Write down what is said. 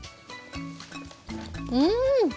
うん！